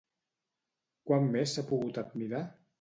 Quan més s'ha pogut admirar?